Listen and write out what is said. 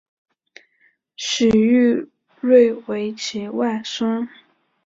许育瑞为其外孙。